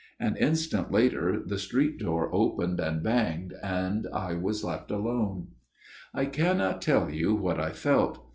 An instant later the street door opened and banged, and I was left alone. " I cannot tell you what I felt.